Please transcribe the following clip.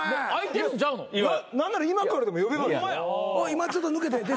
今ちょっと抜けて。